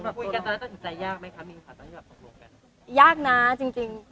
คุยกันตอนนั้นต้องถึงใจยากไหมคะมินค่ะตอนนี้แบบตกลงกัน